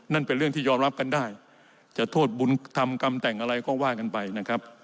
นั่นเป็นเรื่องที่ยอมรับกันได้จะโทษบุญธรรมกรรมแต่งอะไรก็ว่ากันไปนะครับ